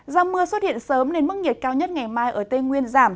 do mưa xuất hiện sớm nên mức nhiệt cao nhất ngày mai ở tây nguyên giảm